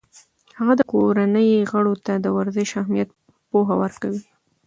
هغه د کورنۍ غړو ته د ورزش اهمیت پوهه ورکوي.